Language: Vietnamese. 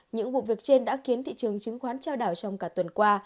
những vụ việc trên đã khiến thị trường chứng khoán trao đảo trong cả tuần qua